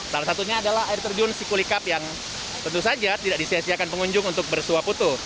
salah satunya adalah air terjun sikulikap yang tentu saja tidak disiasiakan pengunjung untuk bersuap foto